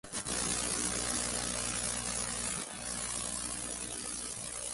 Fue su director hasta el día de su fallecimiento.